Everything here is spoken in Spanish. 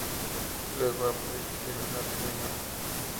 Luego April la termina.